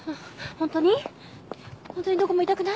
ホントにどこも痛くない？